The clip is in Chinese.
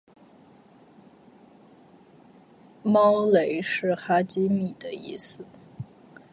猫雷是哈基米的意思